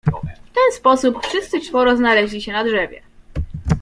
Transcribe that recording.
W ten sposób wszyscy czworo znaleźli się na drzewie.